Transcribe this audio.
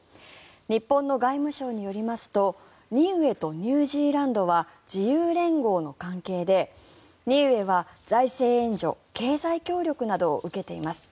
日本の外務省によりますとニウエとニュージーランドは自由連合の関係でニウエは財政援助経済協力などを受けています。